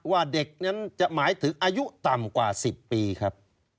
ว่าเด็กนั้นจะหมายถึงอายุต่ำกว่า๑๐ปีครับ